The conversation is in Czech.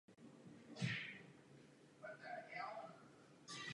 Rovněž byl novelizován zákon o školství, který vytvořil předpoklad zřizování nestátních škol.